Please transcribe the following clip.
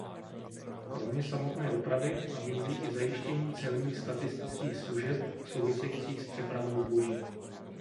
Kromě samotné dopravy nabízí i zajištění celních statistických služeb souvisejících s přepravou zboží.